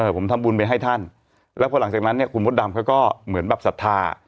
ผมทำบุญไปให้ท่านแล้วพอหลังจากนั้นเนี่ยคุณมดดำเขาก็เหมือนแบบศรัทธา